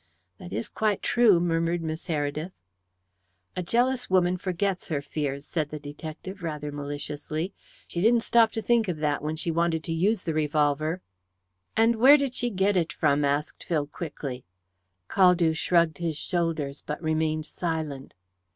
"That is quite true," murmured Miss Heredith. "A jealous woman forgets her fears," said the detective rather maliciously. "She didn't stop to think of that when she wanted to use the revolver." "And where did she get it from?" asked Phil quickly. Caldew shrugged his shoulders, but remained silent.